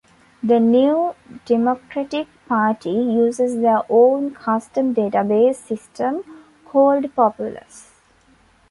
The New Democratic Party uses their own custom database system called Populus.